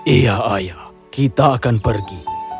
iya ayah kita akan pergi